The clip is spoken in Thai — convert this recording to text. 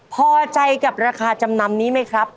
พอใจกับราคาจำนำนี้ไหมครับ